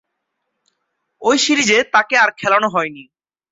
ঐ সিরিজে তাকে আর খেলানো হয়নি।